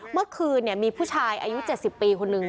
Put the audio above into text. เมื่อคืนมีผู้ชายอายุ๗๐ปีคนนึง